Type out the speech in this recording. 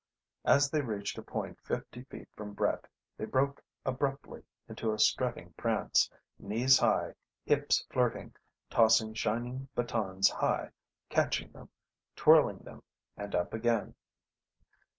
As they reached a point fifty feet from Brett, they broke abruptly into a strutting prance, knees high, hips flirting, tossing shining batons high, catching them, twirling them, and up again